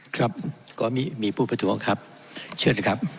ครับก็มีผู้ประท้วงครับเชิญนะครับ